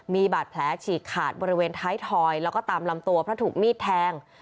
มีบาดแผลฉีกขาดบริเวณท้ายทอยแล้วก็ตามลำตัวเพราะถูกมีดแทง